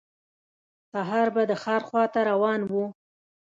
سهار به د ښار خواته روان و.